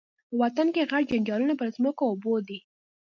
په وطن کي غټ جنجالونه پر مځکو او اوبو دي